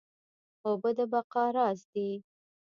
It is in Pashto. اوبه د بقا راز دي